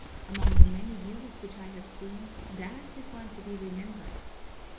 Among the many views which I have seen, that is one to be remembered.